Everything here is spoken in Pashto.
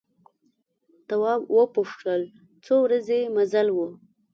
تواب وپوښتل څو ورځې مزل و.